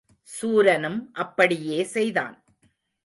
சூரனும் அப்படியே செய்தான்.